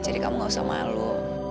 jadi kamu gak usah malu